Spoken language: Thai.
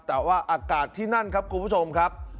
แต่ว่าอากาศที่นั่นครับคุณผู้ชมครับ